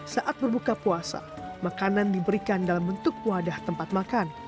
saat berbuka puasa makanan diberikan dalam bentuk wadah tempat makan